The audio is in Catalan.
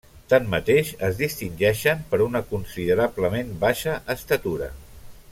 Tanmateix, es distingeixen per una considerablement baixa estatura.